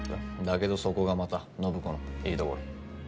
だけどそこがまた暢子のいいところ。